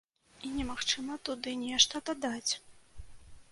І немагчыма туды нешта дадаць.